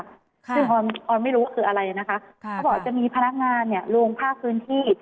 ซึ่งออนไม่รู้ว่าคืออะไรนะคะเขาบอกว่าจะมีพนักงานลงภาพพื้นที่